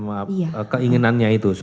tapi apa keinginannya itu